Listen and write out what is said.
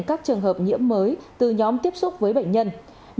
những trường hợp nguy cơ thấp được phát hiện từ nhóm tiếp xúc với bệnh nhân